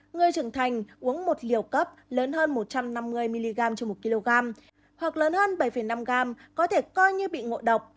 người trưởng thành uống một liều cấp lớn hơn một trăm năm mươi mg trên một kg hoặc lớn hơn bảy năm gram có thể coi như bị ngộ độc